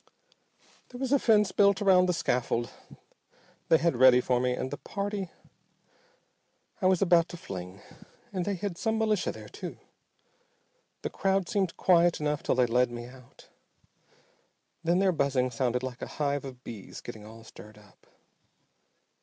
"There was a fence built around the scaffold they had ready for me and the party I was about to fling, and they had some militia there, too. The crowd seemed quiet enough till they led me out. Then their buzzing sounded like a hive of bees getting all stirred up.